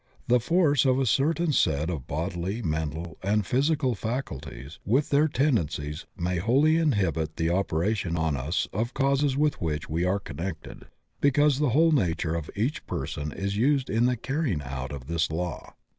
The force of a certain set of bodily, men tal, and psychical faculties with their tendencies may wholly inhibit the operation on us of causes with which we are connected, because the whole nature of each person is used in the carrying out of this law.